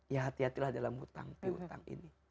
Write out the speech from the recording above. ya hati hatilah dalam hutang huti hutang ini